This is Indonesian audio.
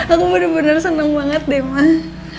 aku bener bener seneng banget deh mama